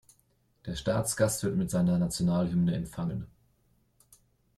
Der Staatsgast wird mit seiner Nationalhymne empfangen.